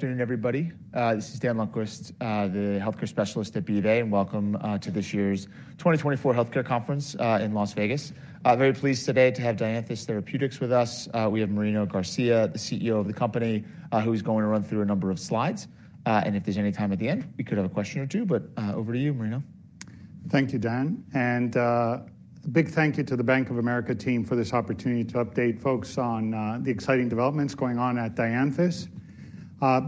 Good afternoon, everybody. This is Dan Lundquist, the healthcare specialist at BofA, and welcome to this year's 2024 Healthcare Conference in Las Vegas. Very pleased today to have Dianthus Therapeutics with us. We have Marino Garcia, the CEO of the company, who is going to run through a number of slides. And if there's any time at the end, we could have a question or two, but over to you, Marino. Thank you, Dan, and a big thank you to the Bank of America team for this opportunity to update folks on the exciting developments going on at Dianthus.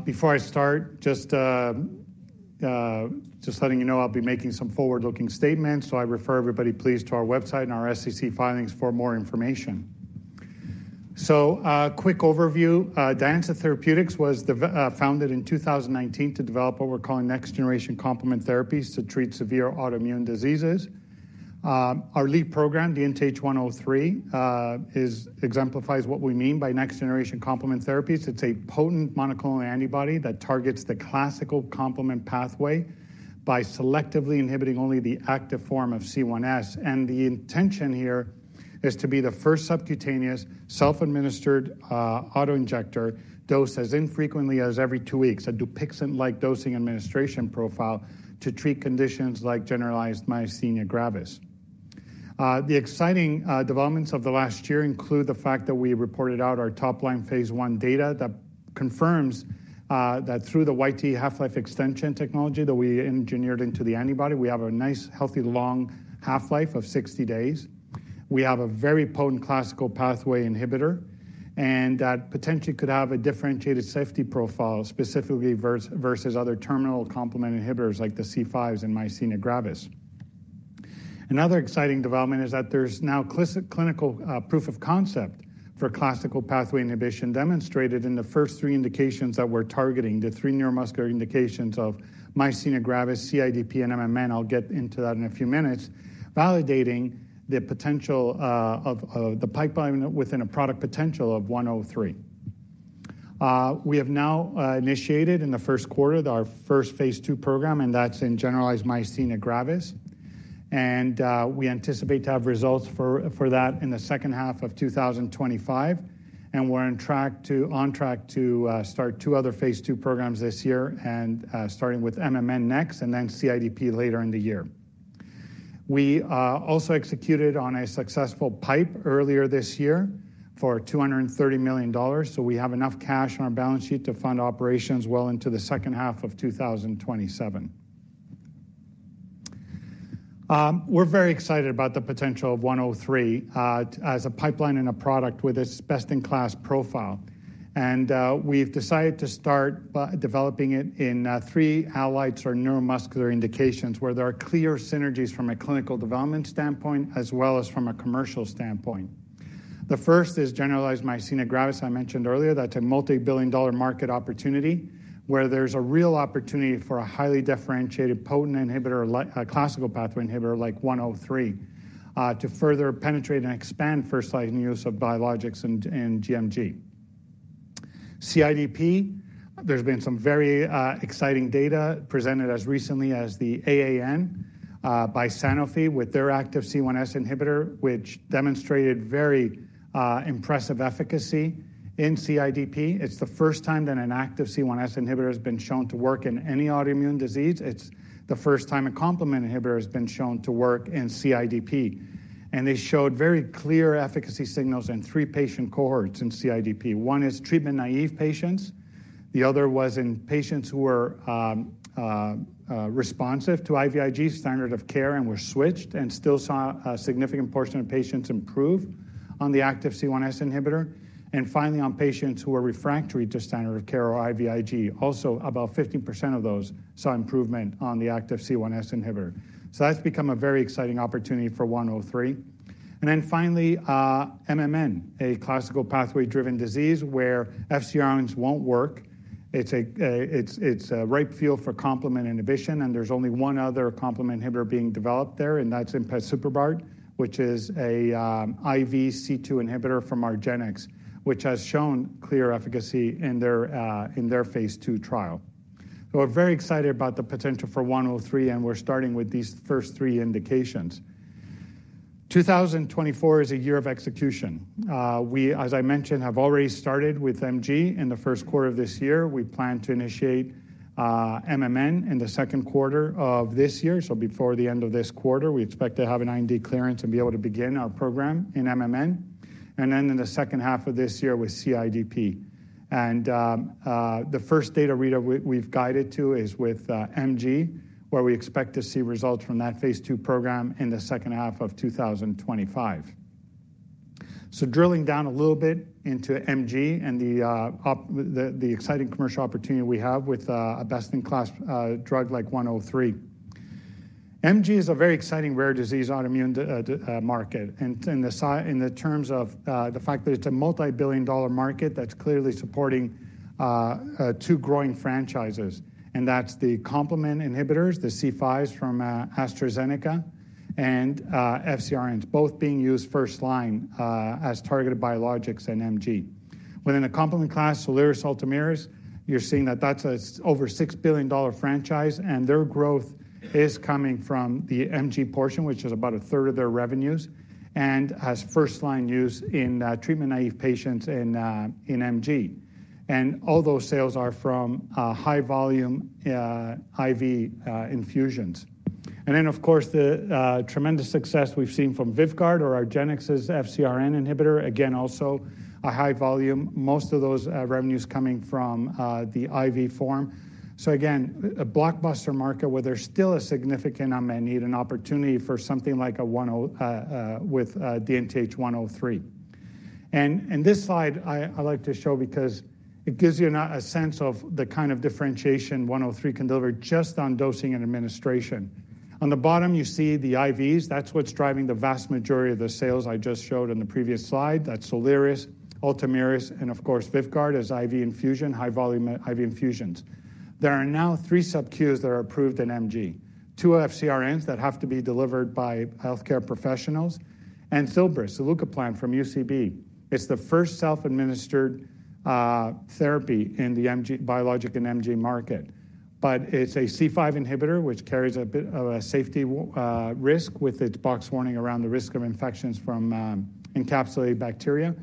Before I start, just letting you know, I'll be making some forward-looking statements, so I refer everybody, please, to our website and our SEC filings for more information. So, quick overview. Dianthus Therapeutics was founded in 2019 to develop what we're calling next-generation complement therapies to treat severe autoimmune diseases. Our lead program, DNTH103, exemplifies what we mean by next-generation complement therapies. It's a potent monoclonal antibody that targets the classical complement pathway by selectively inhibiting only the active form of C1s. The intention here is to be the first subcutaneous, self-administered, auto-injector dosed as infrequently as every two weeks, a Dupixent-like dosing administration profile to treat conditions like generalized myasthenia gravis. The exciting developments of the last year include the fact that we reported out our top-line phase I data that confirms that through the YTE half-life extension technology that we engineered into the antibody, we have a nice, healthy, long half-life of 60 days. We have a very potent classical pathway inhibitor, and that potentially could have a differentiated safety profile, specifically versus other terminal complement inhibitors, like the C5s in myasthenia gravis. Another exciting development is that there's now clinical proof of concept for classical pathway inhibition, demonstrated in the first three indications that we're targeting, the three neuromuscular indications of myasthenia gravis, CIDP, and MMN. I'll get into that in a few minutes, validating the potential of the pipeline within a product potential of 103. We have now initiated in the first quarter our first phase II program, and that's in generalized myasthenia gravis. We anticipate to have results for that in the second half of 2025, and we're on track to start two other phase II programs this year, starting with MMN next and then CIDP later in the year. We also executed on a successful PIPE earlier this year for $230 million, so we have enough cash on our balance sheet to fund operations well into the second half of 2027. We're very excited about the potential of 103 as a pipeline and a product with its best-in-class profile. And we've decided to start by developing it in three autoimmune or neuromuscular indications where there are clear synergies from a clinical development standpoint, as well as from a commercial standpoint. The first is generalized myasthenia gravis I mentioned earlier. That's a multi-billion-dollar market opportunity, where there's a real opportunity for a highly differentiated, potent inhibitor, classical pathway inhibitor like 103, to further penetrate and expand first-line use of biologics in gMG. CIDP, there's been some very exciting data presented as recently as the AAN by Sanofi with their active C1s inhibitor, which demonstrated very impressive efficacy in CIDP. It's the first time that an active C1s inhibitor has been shown to work in any autoimmune disease. It's the first time a complement inhibitor has been shown to work in CIDP. And they showed very clear efficacy signals in three patient cohorts in CIDP. One is treatment-naive patients, the other was in patients who were responsive to IVIG standard of care and were switched and still saw a significant portion of patients improve on the active C1s inhibitor. And finally, on patients who were refractory to standard of care or IVIG, also about 15% of those saw improvement on the active C1s inhibitor. So that's become a very exciting opportunity for 103. And then finally, MMN, a classical pathway-driven disease where FcRns won't work. It's a ripe field for complement inhibition, and there's only one other complement inhibitor being developed there, and that's empasiprubart, which is an IV C2 inhibitor from argenx, which has shown clear efficacy in their phase II trial. So we're very excited about the potential for 103, and we're starting with these first three indications. 2024 is a year of execution. We, as I mentioned, have already started with MG in the first quarter of this year. We plan to initiate MMN in the second quarter of this year, so before the end of this quarter, we expect to have an IND clearance and be able to begin our program in MMN. Then in the second half of this year with CIDP. The first data readout we've guided to is with MG, where we expect to see results from that phase II program in the second half of 2025. So drilling down a little bit into MG and the exciting commercial opportunity we have with a best-in-class drug like 103. MG is a very exciting rare disease, autoimmune disease market, and in the terms of the fact that it's a multi-billion-dollar market that's clearly supporting two growing franchises, and that's the complement inhibitors, the C5s from AstraZeneca and FcRNs, both being used first line as targeted biologics in MG. Within the complement class, Soliris, Ultomiris, you're seeing that that's over $6 billion franchise, and their growth is coming from the MG portion, which is about a third of their revenues, and as first-line use in treatment-naive patients in MG. And all those sales are from high volume IV infusions. And then, of course, the tremendous success we've seen from Vyvgart or argenx's FcRn inhibitor, again, also a high volume, most of those revenues coming from the IV form. So again, a blockbuster market where there's still a significant unmet need and opportunity for something like a 103 with DNTH103. And this slide I like to show because it gives you an sense of the kind of differentiation 103 can deliver just on dosing and administration. On the bottom, you see the IVs. That's what's driving the vast majority of the sales I just showed in the previous slide. That's Soliris, Ultomiris, and of course, Vyvgart as IV infusion, high volume IV infusions. There are now three subQ's that are approved in MG. Two FcRns that have to be delivered by healthcare professionals, and Zilbrysq, zilucoplan from UCB. It's the first self-administered therapy in the MG, biologic and MG market. But it's a C5 inhibitor, which carries a bit of a safety risk with its box warning around the risk of infections from encapsulated bacteria.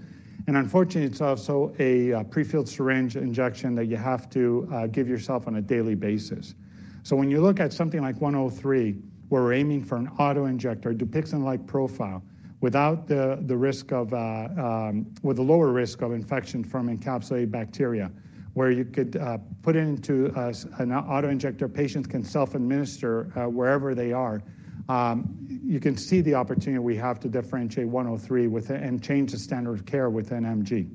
And unfortunately, it's also a prefilled syringe injection that you have to give yourself on a daily basis. So when you look at something like 103, where we're aiming for an auto-injector, Dupixent-like profile, without the risk of... With a lower risk of infection from encapsulated bacteria, where you could put it into an auto-injector, patients can self-administer wherever they are. You can see the opportunity we have to differentiate 103 with and change the standard of care within MG.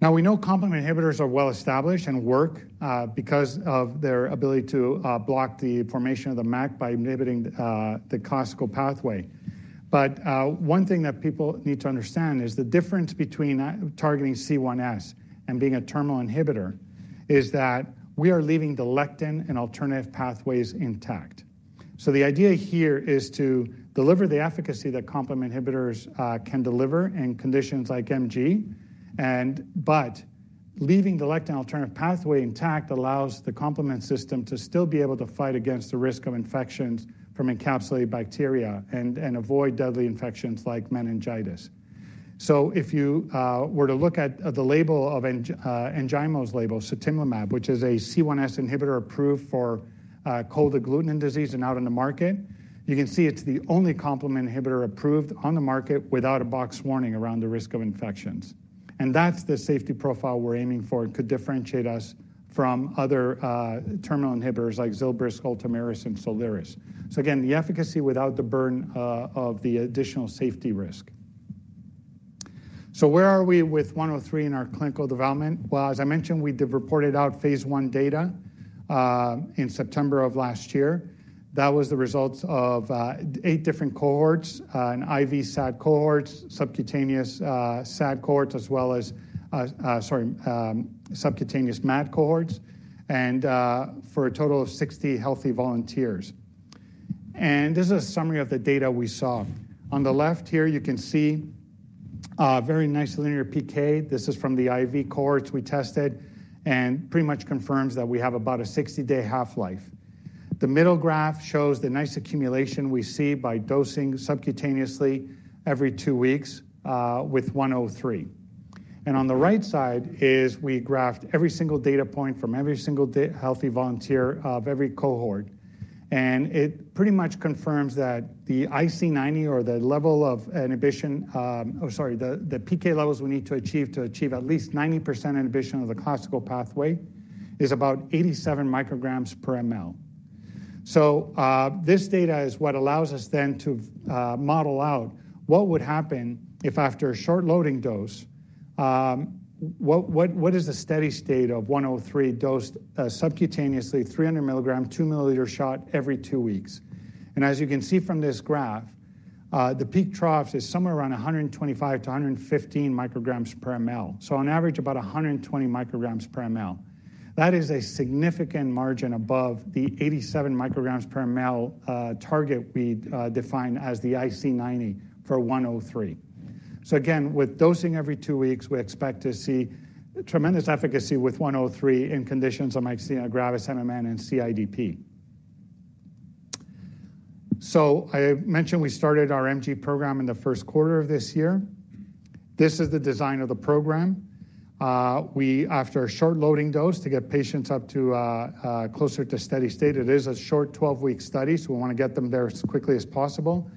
Now, we know complement inhibitors are well-established and work because of their ability to block the formation of the MAC by inhibiting the classical pathway. But one thing that people need to understand is the difference between targeting C1s and being a terminal inhibitor is that we are leaving the lectin and alternative pathways intact. So the idea here is to deliver the efficacy that complement inhibitors can deliver in conditions like MG, and but leaving the lectin alternative pathway intact allows the complement system to still be able to fight against the risk of infections from encapsulated bacteria and avoid deadly infections like meningitis. So if you were to look at the label of Enjaymo's label, sutimlimab, which is a C1s inhibitor approved for cold agglutinin disease and out in the market, you can see it's the only complement inhibitor approved on the market without a box warning around the risk of infections. And that's the safety profile we're aiming for and could differentiate us from other terminal inhibitors like Zilbrysq, Ultomiris, and Soliris. So again, the efficacy without the burden of the additional safety risk. So where are we with DNTH103 in our clinical development? Well, as I mentioned, we reported out phase I data in September of last year. That was the results of eight different cohorts, IV SAD cohorts, subcutaneous SAD cohorts, as well as subcutaneous MAD cohorts, for a total of 60 healthy volunteers. This is a summary of the data we saw. On the left here, you can see very nice linear PK. This is from the IV cohorts we tested and pretty much confirms that we have about a 60-day half-life. The middle graph shows the nice accumulation we see by dosing subcutaneously every 2 weeks with DNTH103. On the right side is we graphed every single data point from every single healthy volunteer of every cohort, and it pretty much confirms that the IC90 or the level of inhibition, or sorry, the PK levels we need to achieve to achieve at least 90% inhibition of the classical pathway is about 87 mcg per ml. This data is what allows us then to model out what would happen if after a short loading dose, what, what, what is the steady state of 103 dosed subcutaneously, 300 mg, 2 ml shot every two weeks? As you can see from this graph, the peak troughs is somewhere around 125-115 mcg per ml. On average, about 120 mcg per ml. That is a significant margin above the 87 mcg per ml target we define as the IC90 for DNTH103. So again, with dosing every 2 weeks, we expect to see tremendous efficacy with DNTH103 in conditions like myasthenia gravis, MMN, and CIDP. So I mentioned we started our MG program in the first quarter of this year. This is the design of the program. We, after a short loading dose to get patients up to closer to steady state, it is a short 12-week study, so we want to get them there as quickly as possible.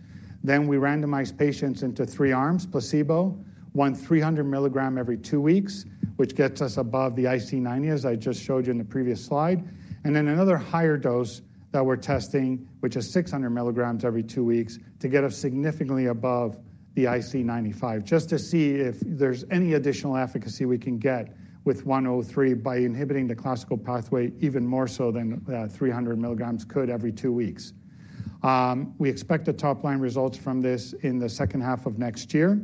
Then we randomize patients into three arms: placebo, 300 mg every 2 weeks, which gets us above the IC90, as I just showed you in the previous slide, and then another higher dose that we're testing, which is 600 mg every 2 weeks, to get us significantly above the IC95, just to see if there's any additional efficacy we can get with DNTH103 by inhibiting the classical pathway even more so than three hundred mg could every two weeks. We expect the top-line results from this in the second half of next year.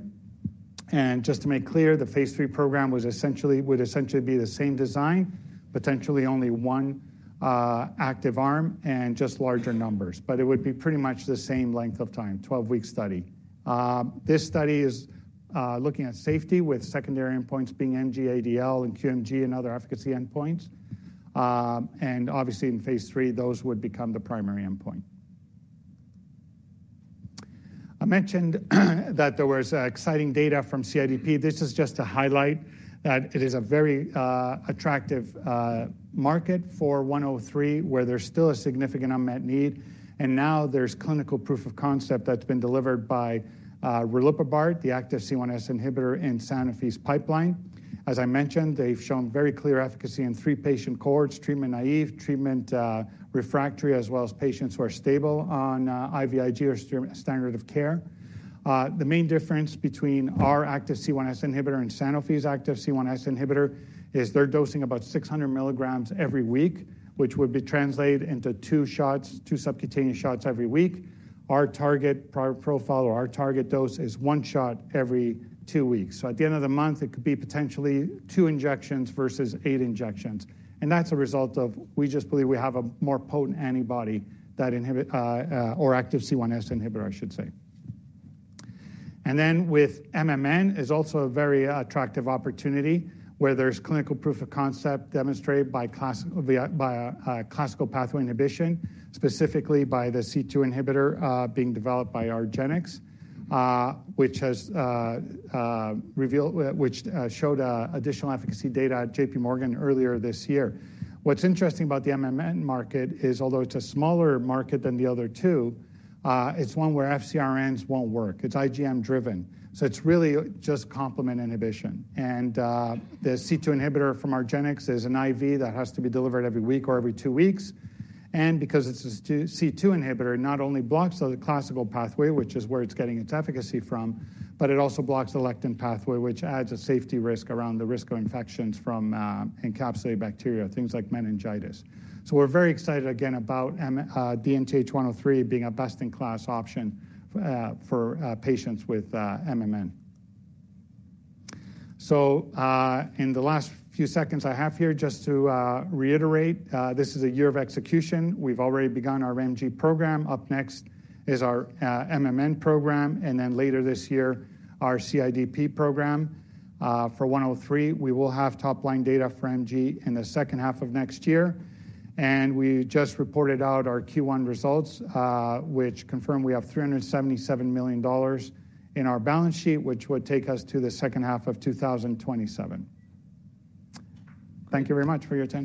Just to make clear, the phase III program was essentially, would essentially be the same design, potentially only one active arm and just larger numbers, but it would be pretty much the same length of time, 12-week study. This study is looking at safety, with secondary endpoints being MG-ADL and QMG and other efficacy endpoints. Obviously in phase III, those would become the primary endpoint. I mentioned that there was exciting data from CIDP. This is just to highlight that it is a very attractive market for DNTH103, where there's still a significant unmet need, and now there's clinical proof of concept that's been delivered by riliprubart, the active C1s inhibitor in Sanofi's pipeline. As I mentioned, they've shown very clear efficacy in three patient cohorts: treatment-naive, treatment refractory, as well as patients who are stable on IVIG or standard of care. The main difference between our active C1s inhibitor and Sanofi's active C1s inhibitor is they're dosing about 600 mg every week, which would be translated into two shots, two subcutaneous shots every week. Our target profile or our target dose is one shot every two weeks. So at the end of the month, it could be potentially two injections versus eight injections. And that's a result of, we just believe we have a more potent antibody that inhibit, or active C1s inhibitor, I should say. And then with MMN is also a very attractive opportunity, where there's clinical proof of concept demonstrated by classical pathway inhibition, specifically by the C2 inhibitor being developed by argenx, which showed additional efficacy data at J.P. Morgan earlier this year. What's interesting about the MMN market is, although it's a smaller market than the other two, it's one where FcRNs won't work. It's IgM driven, so it's really just complement inhibition. And, the C2 inhibitor from argenx is an IV that has to be delivered every week or every two weeks. And because it's a C2 inhibitor, it not only blocks the classical pathway, which is where it's getting its efficacy from, but it also blocks the lectin pathway, which adds a safety risk around the risk of infections from, encapsulated bacteria, things like meningitis. So we're very excited again about DNTH103 being a best-in-class option for patients with MMN. So, in the last few seconds I have here, just to reiterate, this is a year of execution. We've already begun our MG program. Up next is our MMN program, and then later this year, our CIDP program. For DNTH103, we will have top-line data for MG in the second half of next year, and we just reported out our Q1 results, which confirm we have $377 million in our balance sheet, which would take us to the second half of 2027. Thank you very much for your attention.